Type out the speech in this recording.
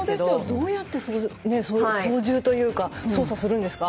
どうやって操縦というか操作するんですか？